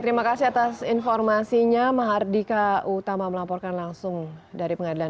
terima kasih atas informasinya mahardika utama melaporkan langsung dari pengadilan